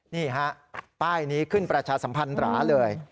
นี่ฮะป้ายนี้ขึ้นประชาสัมพันธ์หราเลย